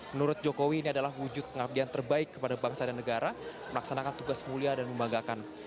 menurut jokowi ini adalah wujud pengabdian terbaik kepada bangsa dan negara melaksanakan tugas mulia dan membanggakan